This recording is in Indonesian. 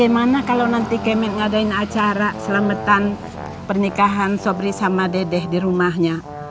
gimana kalau nanti kemet ngadain acara selamatan pernikahan sobri sama dedek di rumahnya